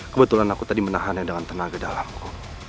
kebetulan aku tadi menahannya dengan tenaga dalamku